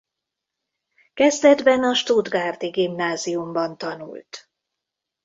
Kezdetben a Stuttgarti Gimnáziumban tanult.